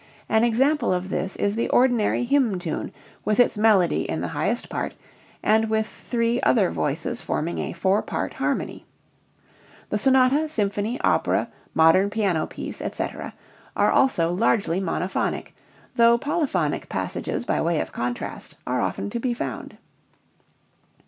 An example of this is the ordinary hymn tune with its melody in the highest part, and with three other voices forming a "four part harmony." The sonata, symphony, opera, modern piano piece, etc., are also largely monophonic, though polyphonic passages by way of contrast are often to be found.